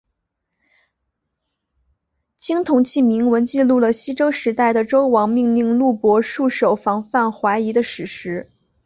青铜器铭文记录了西周时代的周王命令录伯戍守防范淮夷的史实。